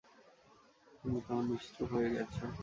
তুমি কেমন নিশ্চুপ হয়ে গেছ!